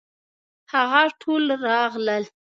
هغه ټول راغلل.